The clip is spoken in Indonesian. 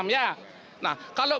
satu ratus lima puluh enam ya nah kalau